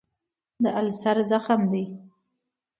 د السر زخم دی.